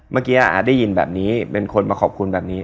ปล่อยใจสบาย